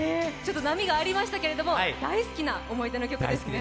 波がありましたけど大好きな思い出の曲ですね。